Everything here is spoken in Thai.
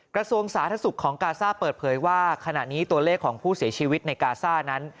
กระทรวงสาธารณสุขของกาซ่าเปิดเผยว่าขณะนี้ตัวเลขของผู้เสียชีวิตในกาซ่านั้น